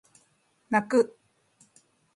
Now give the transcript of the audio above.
泣く